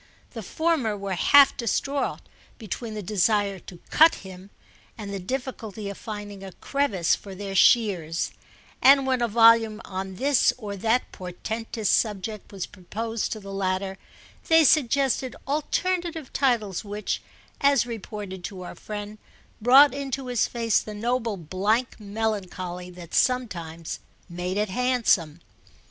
The former were half distraught between the desire to "cut" him and the difficulty of finding a crevice for their shears; and when a volume on this or that portentous subject was proposed to the latter they suggested alternative titles which, as reported to our friend, brought into his face the noble blank melancholy that sometimes made it handsome.